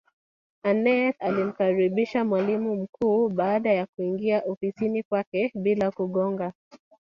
Aneth alimkaribisha mwalimu mkuu baada ya kuingia ofisini kwake bila kugonga